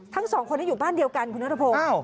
ทั้งสองคนนี้อยู่บ้านเดียวกันคุณนัทพงศ์